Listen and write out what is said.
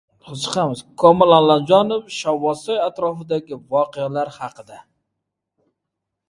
Komil Allamjonov «Shovvozsoy» atrofidagi voqealar haqida